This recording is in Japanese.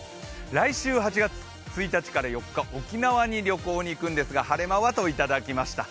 来週８月１日から４日沖縄に旅行に行くんですけど、晴れ間は？といただきました。